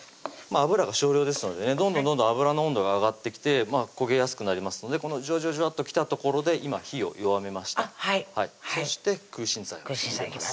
油が少量ですのでねどんどん油の温度が上がってきて焦げやすくなりますのでこのジュワジュワジュワッときたところで今火を弱めましたそして空心菜を入れます